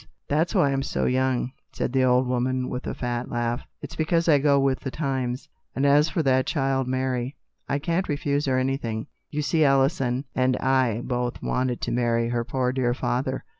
That's why I'm so young," said the old woman, with a fat laugh. " It's because I go with the times. And as for that child Mary, I can't refuse her anything. You see Alison and I both wanted to marry her poor dear father.